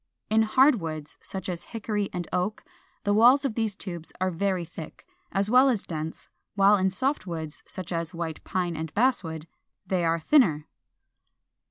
In hard woods, such as Hickory and Oak, the walls of these tubes are very thick, as well as dense; while in soft woods, such as White Pine and Basswood, they are thinner.